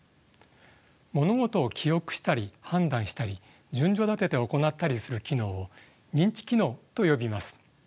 物事を記憶したり判断したり順序立てて行ったりする機能を認知機能と呼びます。